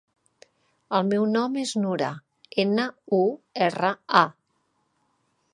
El meu nom és Nura: ena, u, erra, a.